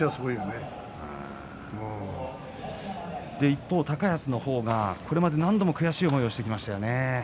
一方、高安はこれまで何度も悔しい思いをしてきましたよね。